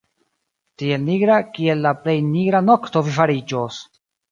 Tiel nigra, kiel la plej nigra nokto vi fariĝos!".